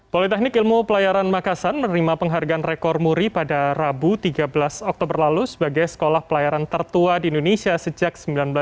politeknik ilmu pelayaran makassar menerima penghargaan rekor muri pada rabu tiga belas oktober lalu sebagai sekolah pelayaran tertua di indonesia sejak seribu sembilan ratus sembilan puluh